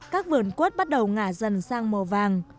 các vườn quất bắt đầu ngả dần sang màu vàng